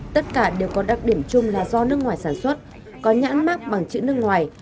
tất cả đều có đặc điểm chung là do nước ngoài sản xuất có nhãn mắc bằng chữ nước ngoài